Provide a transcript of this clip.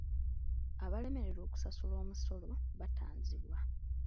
Abalemererwa okusasula omusolo batanzibwa.